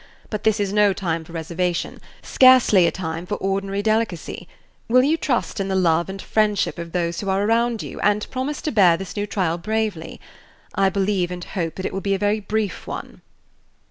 But this is no time for reservation scarcely a time for ordinary delicacy. Will you trust in the love and friendship of those who are around you, and promise to bear this new trial bravely? I believe and hope that it will be a very brief one."